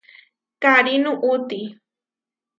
Karí nuʼúti.